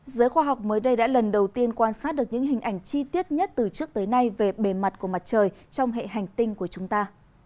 giới khoa học mới đây đã lần đầu tiên quan sát được những hình ảnh chi tiết nhất từ trước tới nay về bề mặt của mặt trời trong hệ hành tinh của chúng ta